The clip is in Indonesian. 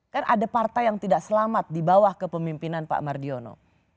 kan ada partai yang tidak selamat di bawah kepemimpinan pak mardiono